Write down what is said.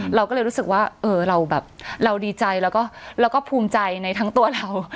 เราก็เลยรู้สึกว่าเออเราแบบเราดีใจแล้วก็ภูมิใจในทั้งตัวเรา